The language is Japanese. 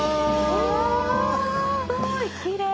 うわすごいきれい！